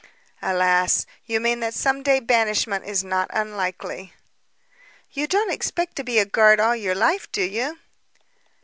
"Alas, you mean that some day banishment is not unlikely?" "You don't expect to be a guard all your life, do you?"